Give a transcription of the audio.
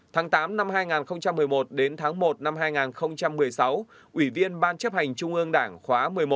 tháng tám năm hai nghìn một mươi một đến tháng một năm hai nghìn một mươi sáu ủy viên ban chấp hành trung ương đảng khóa một mươi một